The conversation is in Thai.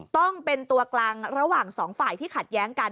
ต้องเป็นตัวกลางระหว่างสองฝ่ายที่ขัดแย้งกัน